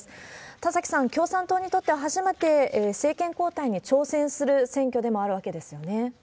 田崎さん、共産党にとっては初めて政権交代に挑戦する選挙でもあるわけです